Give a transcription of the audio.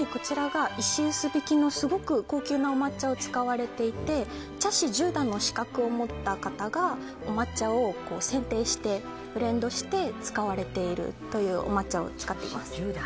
石臼びきのすごく高級なお抹茶が使われていて茶師十段の資格を持った方がお抹茶を選定してブレンドして使われているというお抹茶を使っています。